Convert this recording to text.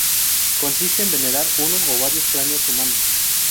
Consiste en venerar uno o varios cráneos humanos.